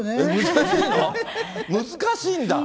難しいの？